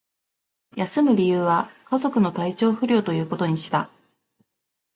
休む理由は、家族の体調不良ということにした